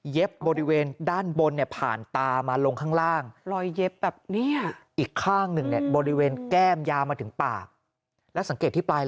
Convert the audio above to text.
เย็บบริเวณด้านบนผ่านตามาลงข้างล่าง